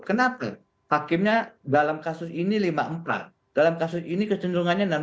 kenapa hakimnya dalam kasus ini lima empat dalam kasus ini kecenderungannya enam